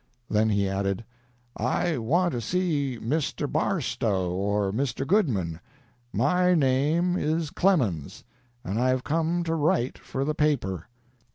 Then he added: "I want to see Mr. Barstow or Mr. Goodman. My name is Clemens, and I've come to write for the paper."